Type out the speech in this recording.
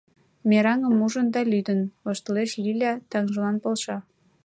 — Мераҥым ужын да лӱдын, — воштылеш Лиля, таҥжылан полша.